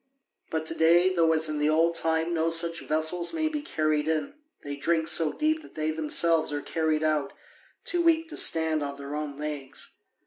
But to day, though as in the old time no such vessels may be carried in, they drink so deep that they themselves are carried out, too weak to stand on their own legs.